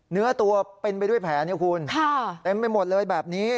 เนื้อตัวเป็นไปด้วยแผลเนี่ยคุณเต็มไปหมดเลยแบบนี้